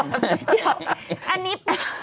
อย่าอันนี้เปล่า